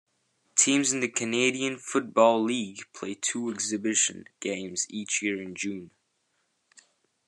Teams in the Canadian Football League play two exhibition games each year, in June.